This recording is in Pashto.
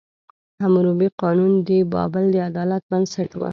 حموربي قانون د بابل د عدالت بنسټ و.